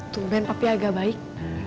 tungguin papi agak baik